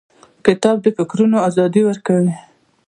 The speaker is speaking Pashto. کتاب د فکرونو ازادي ورکوي.